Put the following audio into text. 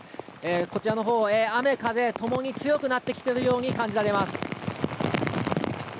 こちらのほう、雨、風ともに強くなってきているように感じます。